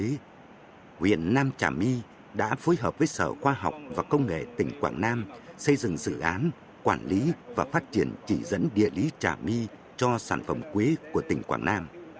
vì vậy huyện nam trà my đã phối hợp với sở khoa học và công nghệ tỉnh quảng nam xây dựng dự án quản lý và phát triển chỉ dẫn địa lý trà my cho sản phẩm quý của tỉnh quảng nam